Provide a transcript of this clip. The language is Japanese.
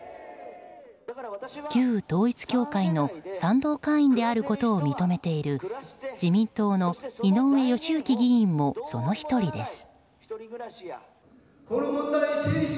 旧統一教会の賛同会員であることを認めている自民党の井上義行議員もその１人です。